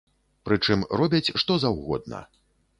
Прычым, робяць што заўгодна.